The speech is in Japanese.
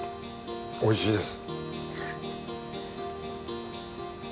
おいしいです。